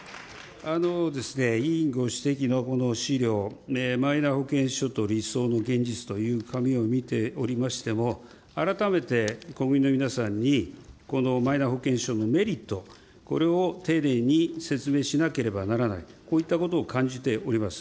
委員ご指摘のこの資料、マイナ保険証の理想の現実という紙を見ておりましても、改めて国民の皆さんにこのマイナ保険証のメリット、これを丁寧に説明しなければならないと、こういったことを感じております。